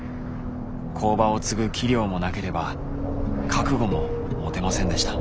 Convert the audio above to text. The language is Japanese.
工場を継ぐ器量もなければ覚悟も持てませんでした。